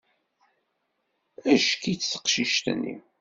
Acki-tt teqcict-nni!